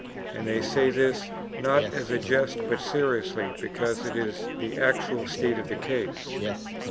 And they say this, not as a jest, but seriously, because it is the actual state of the case.